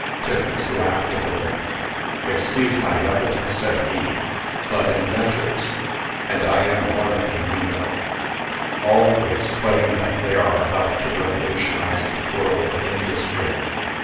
Tiffles laughed a little. "Excuse my levity," said he, "but inventors and I am one of them, you know always claim that they are about to revolutionize the world of industry.